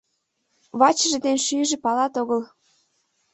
Вачыже ден шӱйжӧ палат огыл.